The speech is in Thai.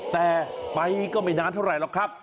แต่ไปก็ไม่นานเท่าไหร่หรอกครับ